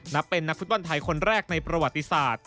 นับเป็นนักฟุตบอลไทยคนแรกในประวัติศาสตร์